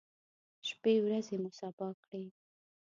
شپی ورځې مو سبا کولې.